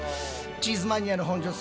チーズマニアの本上さん